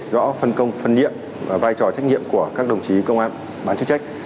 rõ phân công phân niệm và vai trò trách nhiệm của các đồng chí công an bán chuyên trách